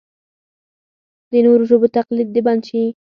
د نورو ژبو تقلید دې بند شي.